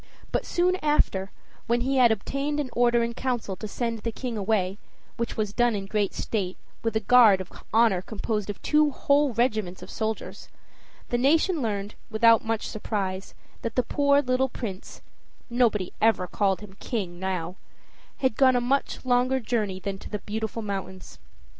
But soon after, when he had obtained an order in council to send the King away, which was done in great state, with a guard of honor composed of two whole regiments of soldiers, the nation learned, without much surprise, that the poor little Prince nobody ever called him king now had gone a much longer journey than to the Beautiful Mountains.